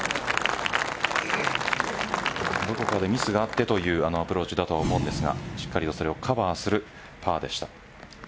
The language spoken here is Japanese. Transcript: どこかでミスがあってというアプローチだと思うんですがしっかりとそれをカバーするパーでした。